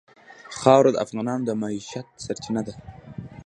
خاوره د افغانانو د معیشت سرچینه ده.